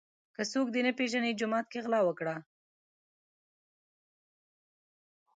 ـ که څوک دې نه پیژني جومات کې غلا وکړه.